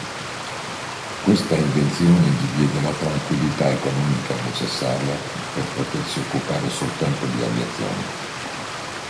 Questa invenzione gli diede la tranquillità economica necessaria per potersi occupare soltanto di aviazione.